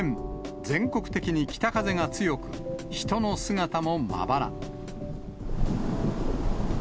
全国的に北風が強く、人の姿もまばら。